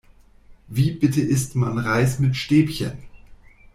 Wie bitte isst man Reis mit Stäbchen?